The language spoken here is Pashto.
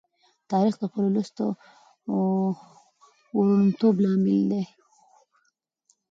تاریخ د خپل ولس د وروڼتوب لامل دی.